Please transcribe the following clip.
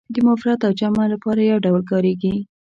د مفرد او جمع لپاره یو ډول کاریږي.